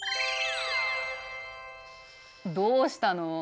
どうしたの？